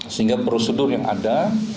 sehingga prosedur yang ada